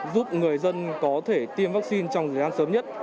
giúp người dân có thể tiêm vaccine trong thời gian sớm nhất